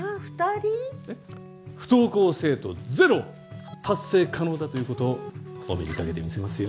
不登校生徒ゼロ達成可能だということをお目にかけて見せますよ。